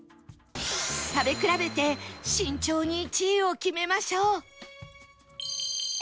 食べ比べて慎重に１位を決めましょう